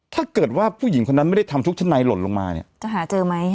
ถ้าเกิดว่าผู้หญิงคนนั้นไม่ได้ทำทุกชั้นในหล่นลงมาเนี่ยจะหาเจอไหม